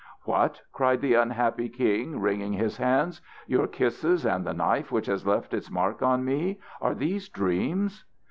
"What," cried the unhappy king, wringing his hands, "your kisses, and the knife which has left its mark on me, are these dreams?"